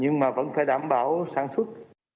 nhưng mà vẫn phải đảm bảo sản xuất